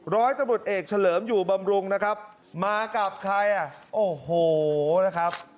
ร้อยตำรวจเอกเฉลิมอยู่บำรุงนะครับมากับใครอ่ะโอ้โหนะครับ